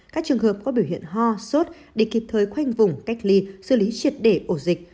các trường hợp có biểu hiện ho sốt để kịp thời khoanh vùng cách ly xử lý triệt để ổ dịch